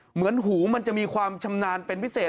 เหมือนหูมันจะมีความชำนาญเป็นพิเศษ